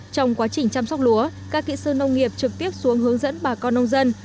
trong quá trình chăm sóc lúa các kỹ sư nông nghiệp trực tiếp xuống hướng dẫn bà con nông dân